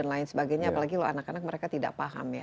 apalagi anak anak mereka tidak paham ya